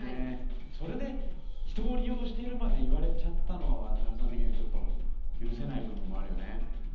それで人を利用しているまで言われちゃったのはわだはるさん的にはちょっと許せない部分もあるよね。